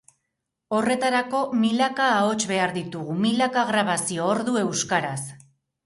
Horretarako, milaka ahots behar ditugu, milaka grabazio ordu euskaraz.